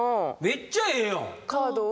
めっちゃええやん。